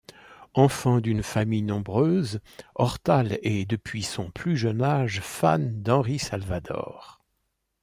Enfant d'une famille nombreuse, Ortal est depuis son plus jeune âge fan d'Henri Salvador.